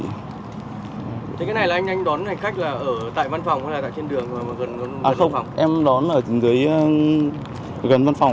thế cái này là anh đón hành khách ở tại văn phòng hay là trên đường mà gần văn phòng